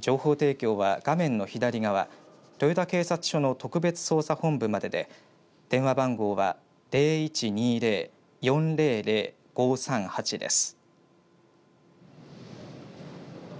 情報提供は画面の左側豊田警察署の特別捜査本部までで電話番号は０１２０‐４００‐５３８です。